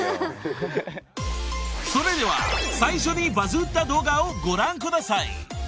［それでは最初にバズった動画をご覧ください］